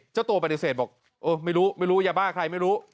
เจ้าตัวปฏิเสธบอกเออไม่รู้ไม่รู้ยาบ้าใครไม่รู้